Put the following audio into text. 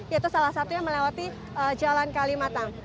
yaitu salah satunya melewati jalan kalimatang